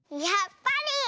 やっぱり！